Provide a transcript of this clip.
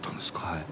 はい。